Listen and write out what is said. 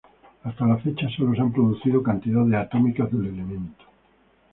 Hasta la fecha sólo se han producido cantidades atómicas del elemento.